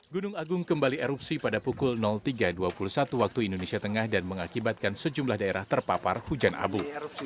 gunung agung kembali erupsi pada pukul tiga dua puluh satu waktu indonesia tengah dan mengakibatkan sejumlah daerah terpapar hujan abu